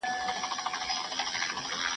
د هر چا سره پنج، نو دپنج د خاوند سره هم پنج.